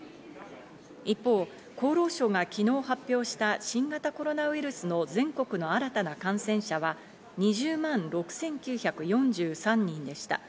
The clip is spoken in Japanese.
一方、厚労省が昨日発表した新型コロナウイルスの全国の新たな感染者は、２０万６９４３人でした。